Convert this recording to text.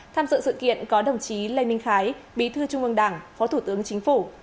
tham dự sự kiện có đồng chí lê minh khái bí thư trung ương đảng phó thủ tướng chính phủ